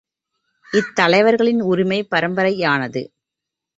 இத் தலைவர்களின் உரிமை பரம்பரையானது.